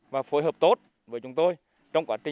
và phối hợp tốt với chúng tôi